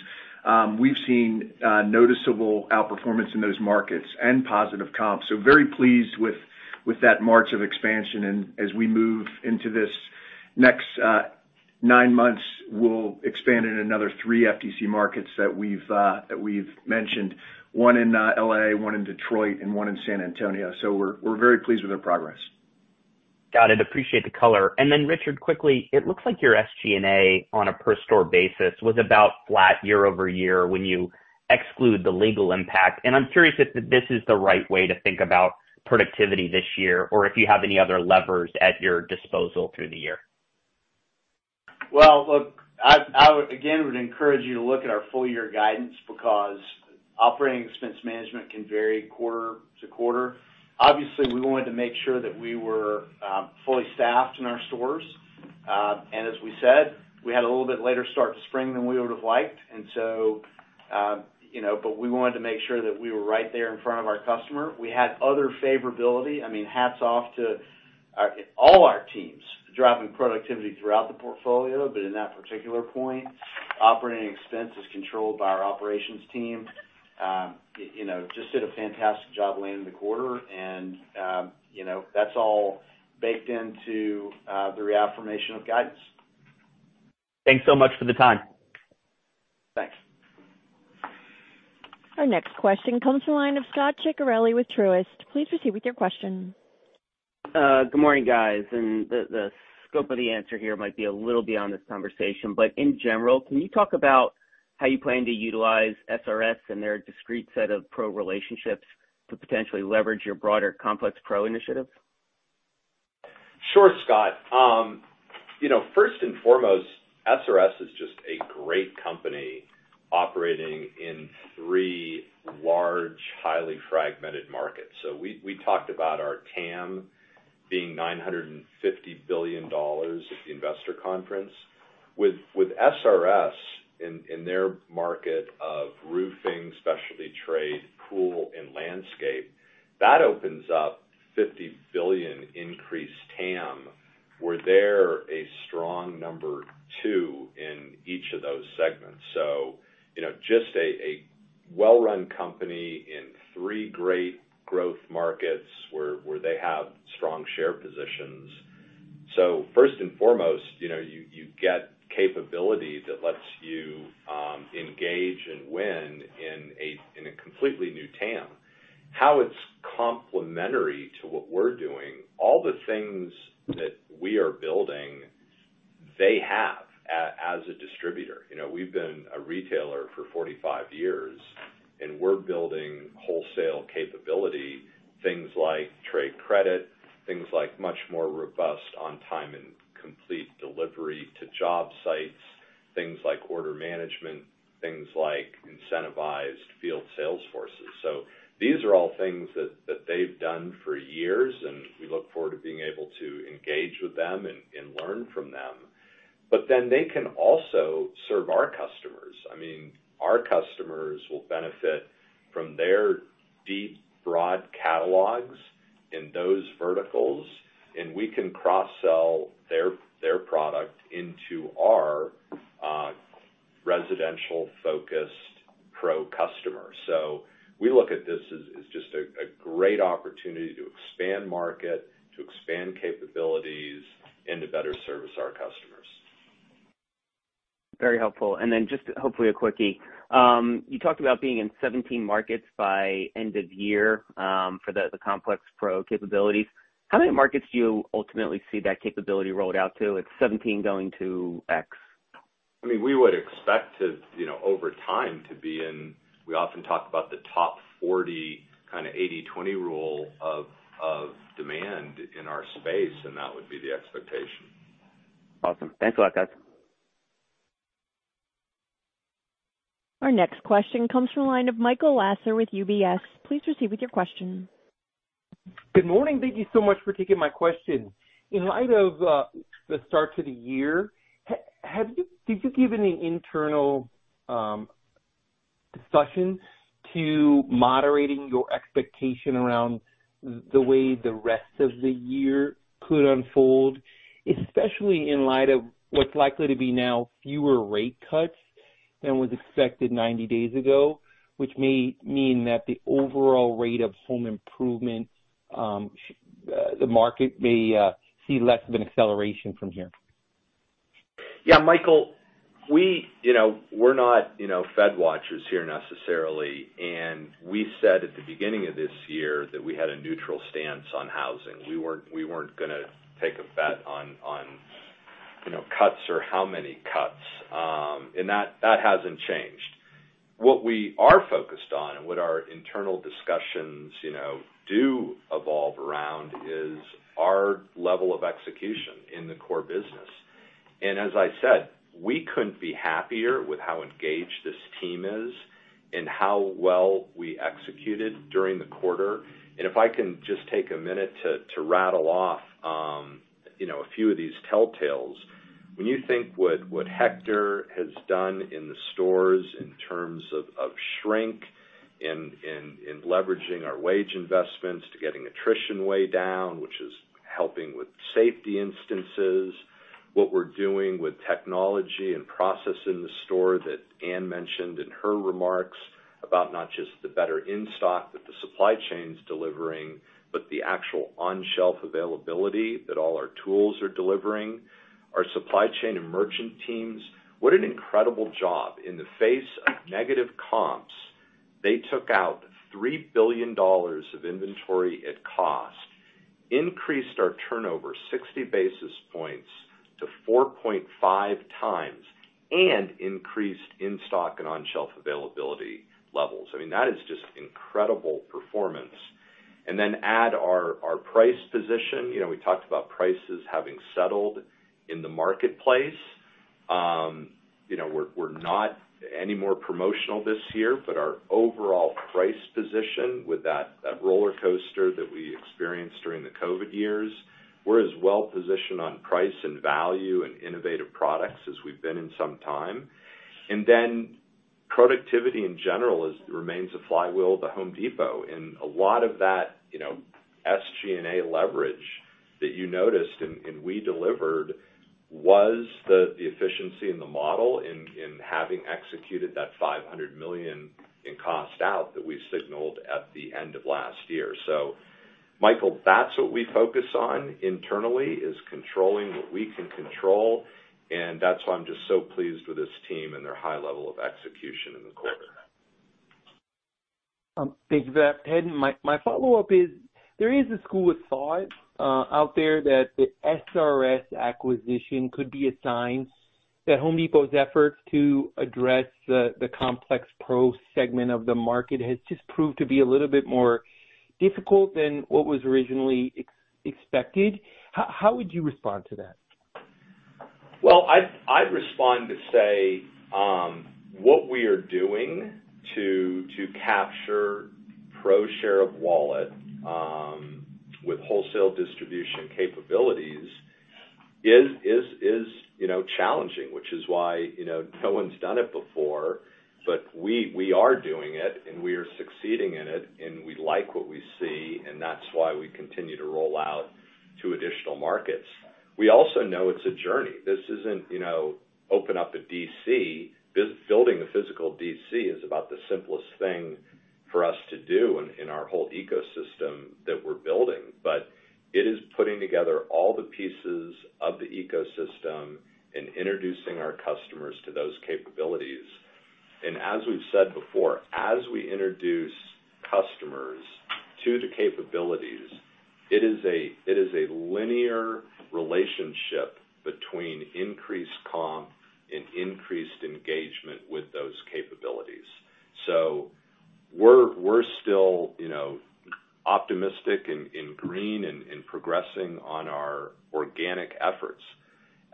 we've seen noticeable outperformance in those markets and positive comps. Very pleased with that march of expansion. As we move into this next nine months, we'll expand in another three FDC markets that we've mentioned, one in L.A., one in Detroit, and one in San Antonio. So we're very pleased with our progress. Got it. Appreciate the color. And then, Richard, quickly, it looks like your SG&A on a per-store basis was about flat year-over-year when you exclude the legal impact. And I'm curious if this is the right way to think about productivity this year or if you have any other levers at your disposal through the year. Well, look, I again would encourage you to look at our full-year guidance because operating expense management can vary quarter to quarter. Obviously, we wanted to make sure that we were fully staffed in our stores. And as we said, we had a little bit later start to spring than we would have liked. And so but we wanted to make sure that we were right there in front of our customer. We had other favorability. I mean, hats off to all our teams driving productivity throughout the portfolio, but in that particular point, operating expense is controlled by our operations team. Just did a fantastic job landing the quarter. And that's all baked into the reaffirmation of guidance. Thanks so much for the time. Thanks. Our next question comes from a line of Scot Ciccarelli with Truist. Please proceed with your question. Good morning, guys. The scope of the answer here might be a little beyond this conversation, but in general, can you talk about how you plan to utilize SRS and their discrete set of pro relationships to potentially leverage your broader Complex Pro initiatives? Sure, Scott. First and foremost, SRS is just a great company operating in three large, highly fragmented markets. So we talked about our TAM being $950 billion at the investor conference. With SRS in their market of roofing, specialty trade, pool, and landscape, that opens up $50 billion increased TAM. They're a strong number two in each of those segments. So just a well-run company in three great growth markets where they have strong share positions. So first and foremost, you get capability that lets you engage and win in a completely new TAM. How it's complementary to what we're doing, all the things that we are building, they have as a distributor. We've been a retailer for 45 years, and we're building wholesale capability, things like trade credit, things like much more robust on-time and complete delivery to job sites, things like order management, things like incentivized field sales forces. So these are all things that they've done for years, and we look forward to being able to engage with them and learn from them. But then they can also serve our customers. I mean, our customers will benefit from their deep, broad catalogs in those verticals, and we can cross-sell their product into our residential-focused pro customer. So we look at this as just a great opportunity to expand market, to expand capabilities, and to better service our customers. Very helpful. And then just hopefully a quickie, you talked about being in 17 markets by end of year for the Complex Pro capabilities. How many markets do you ultimately see that capability rolled out to? It's 17 going to X. I mean, we would expect to, over time, to be in we often talk about the top 40 kind of 80/20 rule of demand in our space, and that would be the expectation. Awesome. Thanks a lot, guys. Our next question comes from a line of Michael Lasser with UBS. Please proceed with your question. Good morning. Thank you so much for taking my question. In light of the start to the year, did you give any internal discussion to moderating your expectation around the way the rest of the year could unfold, especially in light of what's likely to be now fewer rate cuts than was expected 90 days ago, which may mean that the overall rate of home improvement, the market may see less of an acceleration from here? Yeah. Michael, we're not Fed watchers here necessarily, and we said at the beginning of this year that we had a neutral stance on housing. We weren't going to take a bet on cuts or how many cuts, and that hasn't changed. What we are focused on and what our internal discussions do evolve around is our level of execution in the core business. As I said, we couldn't be happier with how engaged this team is and how well we executed during the quarter. And if I can just take a minute to rattle off a few of these telltales, when you think what Hector has done in the stores in terms of shrink in leveraging our wage investments to getting attrition way down, which is helping with safety instances, what we're doing with technology and process in the store that Ann mentioned in her remarks about not just the better in-stock that the supply chain's delivering, but the actual on-shelf availability that all our tools are delivering, our supply chain and merchant teams, what an incredible job. In the face of negative comps, they took out $3 billion of inventory at cost, increased our turnover 60 basis points to 4.5 times, and increased in-stock and on-shelf availability levels. I mean, that is just incredible performance. And then add our price position. We talked about prices having settled in the marketplace. We're not any more promotional this year, but our overall price position with that roller coaster that we experienced during the COVID years, we're as well positioned on price and value and innovative products as we've been in some time. And then productivity in general remains a flywheel of the Home Depot. And a lot of that SG&A leverage that you noticed and we delivered was the efficiency in the model in having executed that $500 million in cost out that we signaled at the end of last year. So Michael, that's what we focus on internally, is controlling what we can control. And that's why I'm just so pleased with this team and their high level of execution in the quarter. Thank you, Ted. My follow-up is there is a school of thought out there that the SRS acquisition could be a sign that Home Depot's efforts to address the Complex Pro segment of the market has just proved to be a little bit more difficult than what was originally expected. How would you respond to that? Well, I'd respond to say what we are doing to capture pro share of wallet with wholesale distribution capabilities is challenging, which is why no one's done it before. But we are doing it, and we are succeeding in it, and we like what we see, and that's why we continue to roll out to additional markets. We also know it's a journey. This isn't open up a DC. Building a physical DC is about the simplest thing for us to do in our whole ecosystem that we're building. But it is putting together all the pieces of the ecosystem and introducing our customers to those capabilities. And as we've said before, as we introduce customers to the capabilities, it is a linear relationship between increased comp and increased engagement with those capabilities. So we're still optimistic and green and progressing on our organic efforts.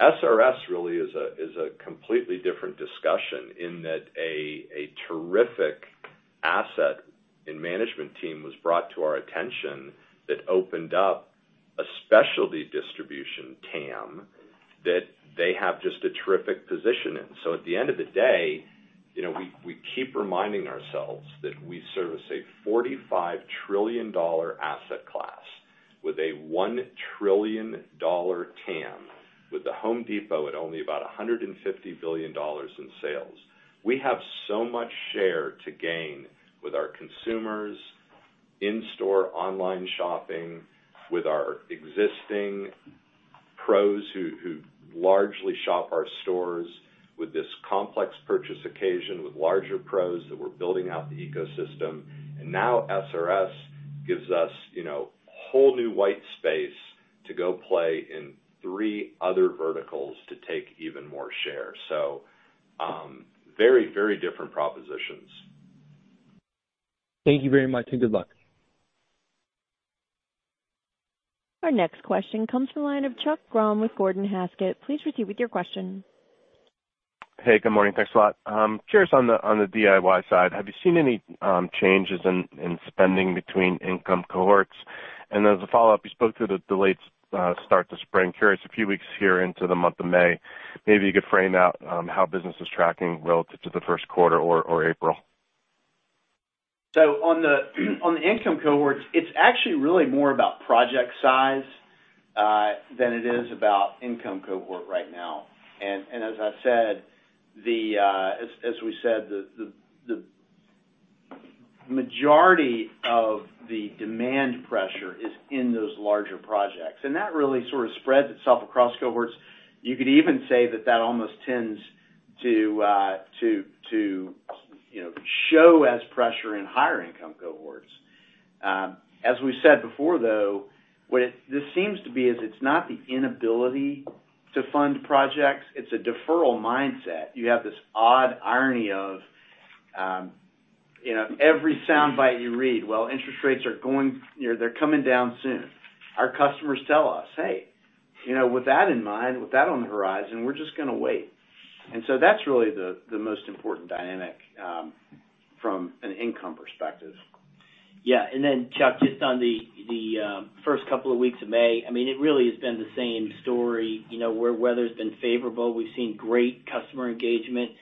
SRS really is a completely different discussion in that a terrific asset and management team was brought to our attention that opened up a specialty distribution TAM that they have just a terrific position in. So at the end of the day, we keep reminding ourselves that we service a $45 trillion asset class with a $1 trillion TAM with The Home Depot at only about $150 billion in sales. We have so much share to gain with our consumers, in-store online shopping, with our existing pros who largely shop our stores with this complex purchase occasion with larger pros that we're building out the ecosystem. And now SRS gives us whole new white space to go play in three other verticals to take even more share. So very, very different propositions. Thank you very much and good luck. Our next question comes from a line of Chuck Grom with Gordon Haskett. Please proceed with your question. Hey. Good morning. Thanks a lot. Curious on the DIY side, have you seen any changes in spending between income cohorts? And as a follow-up, you spoke to the delayed start to spring. Curious, a few weeks here into the month of May, maybe you could frame out how business is tracking relative to the first quarter or April? So on the income cohorts, it's actually really more about project size than it is about income cohort right now. And as I said, as we said, the majority of the demand pressure is in those larger projects. And that really sort of spreads itself across cohorts. You could even say that that almost tends to show as pressure in higher income cohorts. As we said before, though, what this seems to be is it's not the inability to fund projects. It's a deferral mindset. You have this odd irony of every sound bite you read, "Well, interest rates are going, they're coming down soon." Our customers tell us, "Hey, with that in mind, with that on the horizon, we're just going to wait." And so that's really the most important dynamic from an income perspective. Yeah. And then, Chuck, just on the first couple of weeks of May, I mean, it really has been the same story. Where weather's been favorable, we've seen great customer engagement,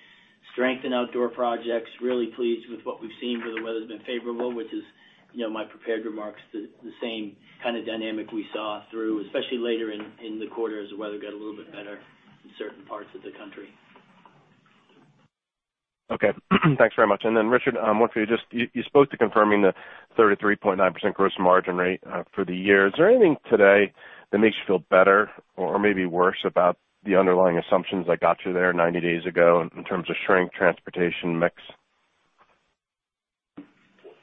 strength in outdoor projects. Really pleased with what we've seen where the weather's been favorable, which is my prepared remarks, the same kind of dynamic we saw through, especially later in the quarter as the weather got a little bit better in certain parts of the country. Okay. Thanks very much. And then, Richard, I want for you just you spoke to confirming the 33.9% gross margin rate for the year. Is there anything today that makes you feel better or maybe worse about the underlying assumptions that got you there 90 days ago in terms of shrink, transportation, mix?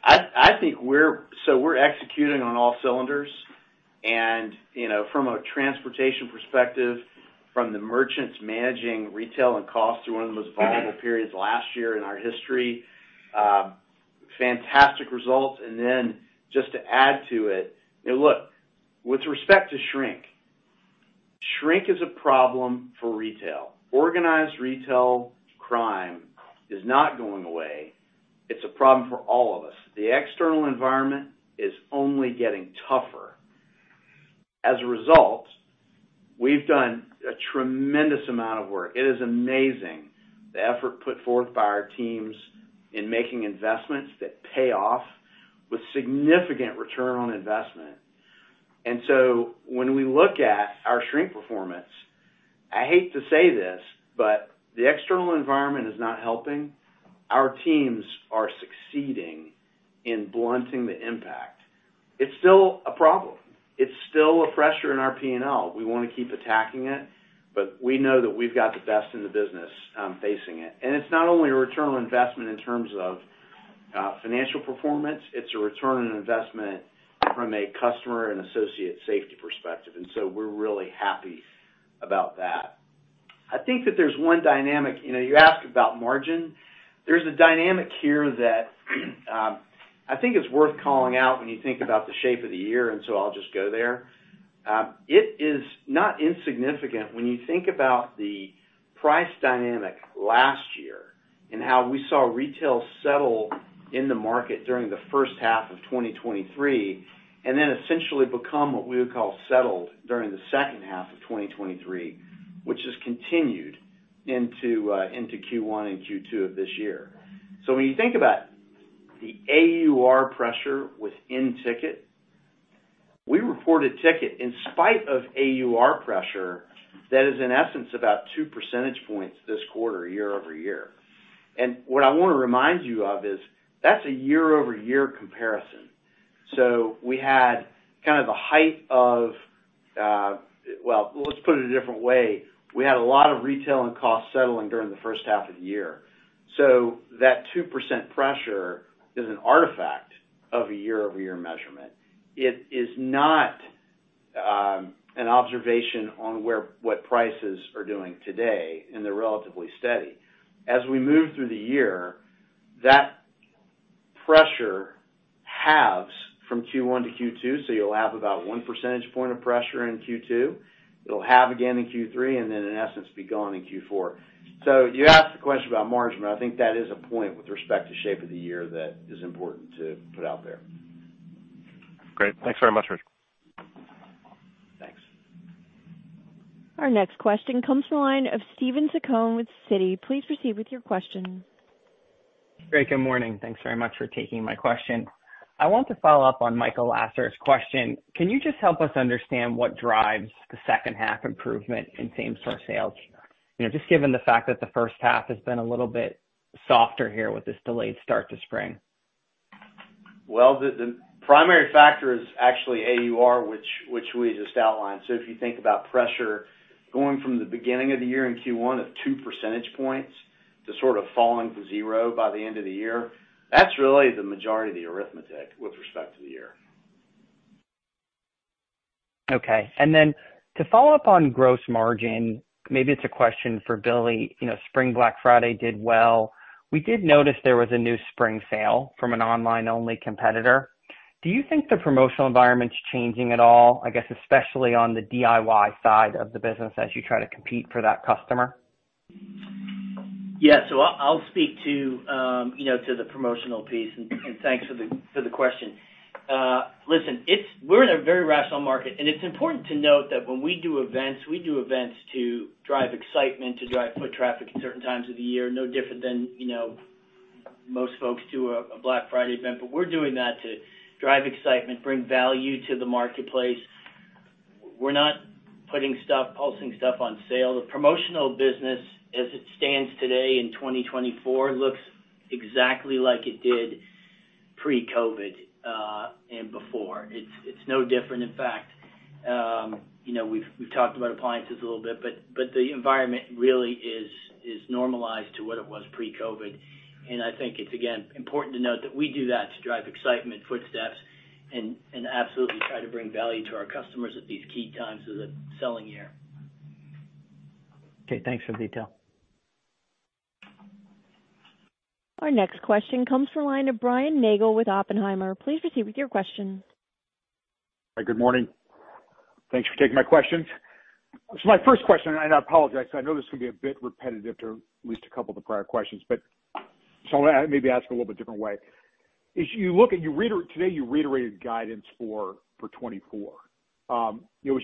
I think we're, so we're executing on all cylinders. And from a transportation perspective, from the merchants managing retail and cost through one of the most volatile periods last year in our history, fantastic results. And then just to add to it, look, with respect to shrink, shrink is a problem for retail. Organized retail crime is not going away. It's a problem for all of us. The external environment is only getting tougher. As a result, we've done a tremendous amount of work. It is amazing, the effort put forth by our teams in making investments that pay off with significant return on investment. And so when we look at our shrink performance, I hate to say this, but the external environment is not helping. Our teams are succeeding in blunting the impact. It's still a problem. It's still a pressure in our P&L. We want to keep attacking it, but we know that we've got the best in the business facing it. And it's not only a return on investment in terms of financial performance. It's a return on investment from a customer and associate safety perspective. And so we're really happy about that. I think that there's one dynamic you ask about margin. There's a dynamic here that I think is worth calling out when you think about the shape of the year. And so I'll just go there. It is not insignificant when you think about the price dynamic last year and how we saw retail settle in the market during the first half of 2023 and then essentially become what we would call settled during the second half of 2023, which has continued into Q1 and Q2 of this year. So when you think about the AUR pressure within Ticket, we reported Ticket in spite of AUR pressure that is, in essence, about 2 percentage points this quarter, year-over-year. And what I want to remind you of is that's a year-over-year comparison. So we had kind of the height of well, let's put it a different way. We had a lot of retail and cost settling during the first half of the year. So that 2% pressure is an artifact of a year-over-year measurement. It is not an observation on what prices are doing today, and they're relatively steady. As we move through the year, that pressure halves from Q1 to Q2. So you'll have about one percentage point of pressure in Q2. It'll halve again in Q3 and then, in essence, be gone in Q4. You asked the question about margin, but I think that is a point with respect to shape of the year that is important to put out there. Great. Thanks very much, Richard. Thanks. Our next question comes from a line of Steven Zaccone with Citi. Please proceed with your question. Great. Good morning. Thanks very much for taking my question. I want to follow up on Michael Lasser's question. Can you just help us understand what drives the second-half improvement in same-store sales, just given the fact that the first half has been a little bit softer here with this delayed start to spring? Well, the primary factor is actually AUR, which we just outlined. So if you think about pressure going from the beginning of the year in Q1 of two percentage points to sort of falling to zero by the end of the year, that's really the majority of the arithmetic with respect to the year. Okay. And then to follow up on gross margin, maybe it's a question for Billy. Spring Black Friday did well. We did notice there was a new spring sale from an online-only competitor. Do you think the promotional environment's changing at all, I guess, especially on the DIY side of the business as you try to compete for that customer? Yeah. So I'll speak to the promotional piece. Thanks for the question. Listen, we're in a very rational market. It's important to note that when we do events, we do events to drive excitement, to drive foot traffic at certain times of the year, no different than most folks do a Black Friday event. But we're doing that to drive excitement, bring value to the marketplace. We're not putting stuff, pulsing stuff on sale. The promotional business, as it stands today in 2024, looks exactly like it did pre-COVID and before. It's no different. In fact, we've talked about appliances a little bit, but the environment really is normalized to what it was pre-COVID. I think it's, again, important to note that we do that to drive excitement, foot traffic, and absolutely try to bring value to our customers at these key times of the selling year. Okay. Thanks for the detail. Our next question comes from a line of Brian Nagel with Oppenheimer. Please proceed with your question. Hi. Good morning. Thanks for taking my questions. So my first question and I apologize. I know this can be a bit repetitive to at least a couple of the prior questions, but so I'll maybe ask a little bit different way. Today, you reiterated guidance for 2024. As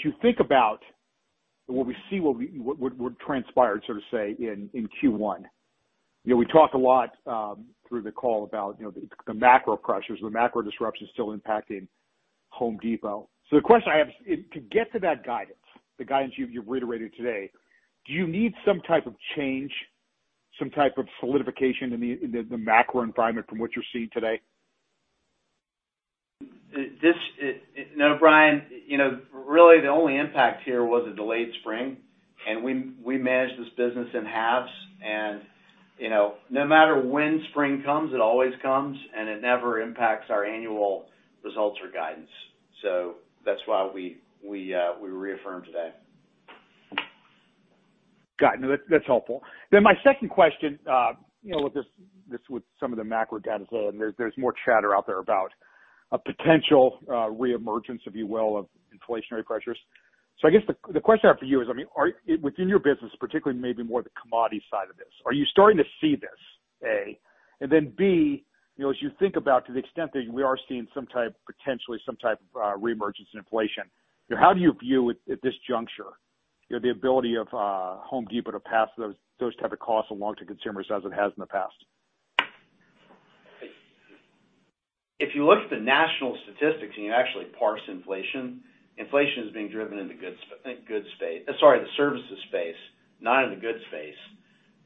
you think about what we see, what transpired, so to say, in Q1, we talked a lot through the call about the macro pressures. The macro disruption's still impacting Home Depot. So the question I have is, to get to that guidance, the guidance you've reiterated today, do you need some type of change, some type of solidification in the macro environment from what you're seeing today? No, Brian. Really, the only impact here was a delayed spring. We manage this business in halves. No matter when spring comes, it always comes, and it never impacts our annual results or guidance. So that's why we reaffirm today. Got it. No, that's helpful. Then my second question with some of the macro data today, and there's more chatter out there about a potential reemergence, if you will, of inflationary pressures. So I guess the question I have for you is, I mean, within your business, particularly maybe more the commodity side of this, are you starting to see this, A? And then B, as you think about to the extent that we are seeing potentially some type of reemergence in inflation, how do you view at this juncture the ability of Home Depot to pass those type of costs along to consumers as it has in the past? If you look at the national statistics and you actually parse inflation, inflation is being driven in the goods space, sorry, the services space, not in the goods space,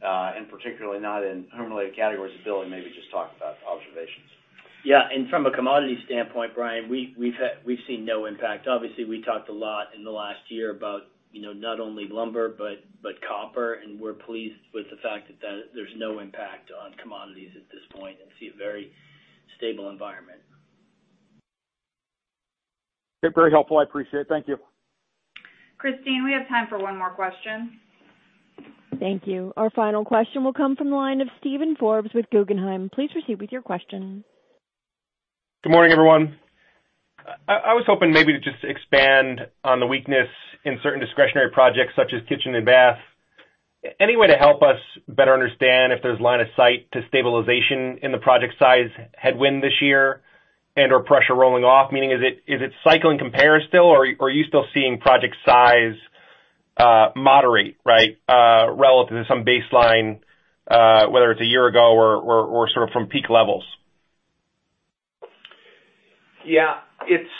and particularly not in home-related categories. Billy maybe just talked about observations. Yeah. From a commodity standpoint, Brian, we've seen no impact. Obviously, we talked a lot in the last year about not only lumber but copper, and we're pleased with the fact that there's no impact on commodities at this point and see a very stable environment. Very helpful. I appreciate it. Thank you. Christina, we have time for one more question. Thank you. Our final question will come from the line of Steven Forbes with Guggenheim. Please proceed with your question. Good morning, everyone. I was hoping maybe to just expand on the weakness in certain discretionary projects such as kitchen and bath. Any way to help us better understand if there's line of sight to stabilization in the project size headwind this year and/or pressure rolling off? Meaning, is it cycling comps still, or are you still seeing project size moderate, right, relative to some baseline, whether it's a year ago or sort of from peak levels? Yeah.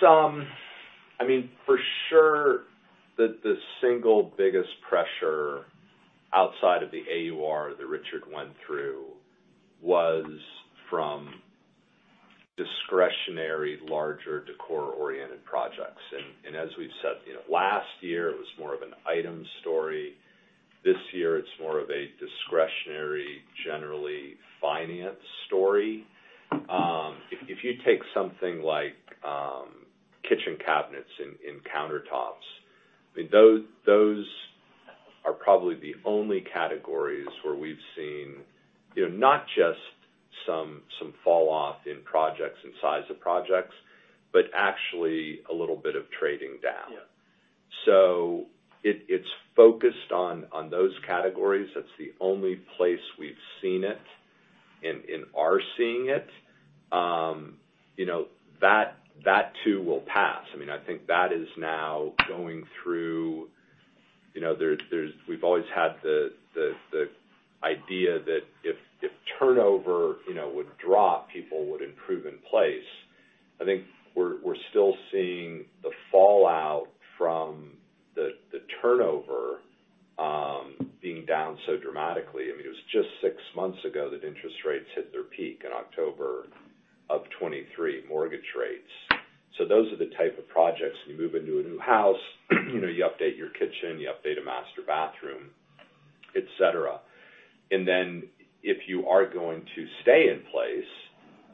I mean, for sure, the single biggest pressure outside of the AUR that Richard went through was from discretionary, larger decor-oriented projects. As we've said, last year, it was more of an item story. This year, it's more of a discretionary, generally finance story. If you take something like kitchen cabinets and countertops, I mean, those are probably the only categories where we've seen not just some falloff in projects and size of projects, but actually a little bit of trading down. So it's focused on those categories. That's the only place we've seen it and are seeing it. That, too, will pass. I mean, I think that is now going through. We've always had the idea that if turnover would drop, people would improve in place. I think we're still seeing the fallout from the turnover being down so dramatically. I mean, it was just six months ago that interest rates hit their peak in October of 2023, mortgage rates. So those are the type of projects. When you move into a new house, you update your kitchen. You update a master bathroom, etc. And then if you are going to stay in place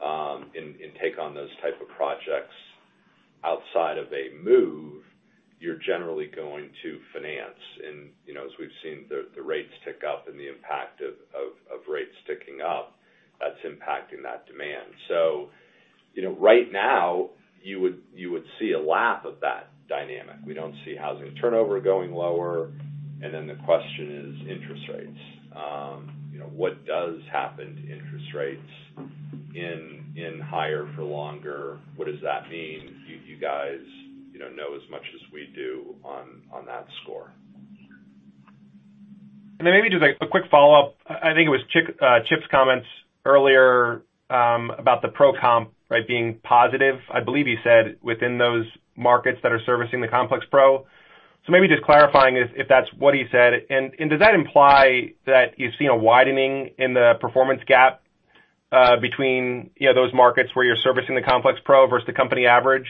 and take on those type of projects outside of a move, you're generally going to finance. And as we've seen the rates tick up and the impact of rates ticking up, that's impacting that demand. So right now, you would see a lap of that dynamic. We don't see housing turnover going lower. And then the question is interest rates. What does happen to interest rates in higher for longer? What does that mean? You guys know as much as we do on that score. And then maybe just a quick follow-up. I think it was Chip's comments earlier about the Pro Comp, right, being positive. I believe he said within those markets that are servicing the Complex Pro. So maybe just clarifying if that's what he said. And does that imply that you've seen a widening in the performance gap between those markets where you're servicing the Complex Pro versus the company average,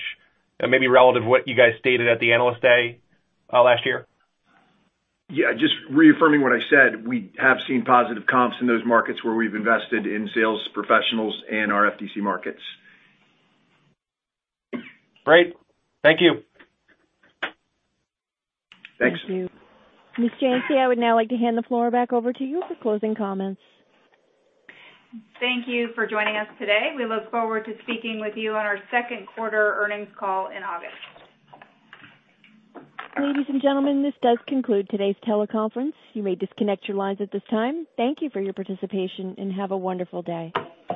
maybe relative to what you guys stated at the analyst day last year? Yeah. Just reaffirming what I said, we have seen positive comps in those markets where we've invested in sales professionals and our FDC markets. Great. Thank you. Thanks. Thank you. Ms. Janci, I would now like to hand the floor back over to you for closing comments. Thank you for joining us today. We look forward to speaking with you on our second-quarter earnings call in August. Ladies and gentlemen, this does conclude today's teleconference. You may disconnect your lines at this time. Thank you for your participation, and have a wonderful day.